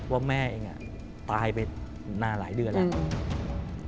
ว่าแม่เองตายไปนานหลายเดือนแล้ว